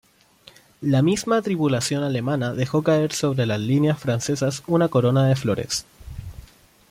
La misma tripulación alemana dejó caer sobre las líneas francesas una corona de flores.